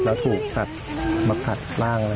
แล้วถูกสัตว์มาผัดร่างอะไร